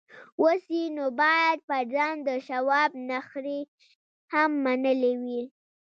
اوس یې نو باید پر ځان د شواب نخرې هم منلې وای